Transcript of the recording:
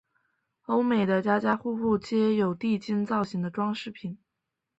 欧美的家家户户皆有地精造型的装饰品。